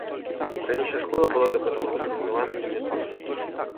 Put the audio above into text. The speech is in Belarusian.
Ранейшая школа была да падмурка зруйнавана землятрусам.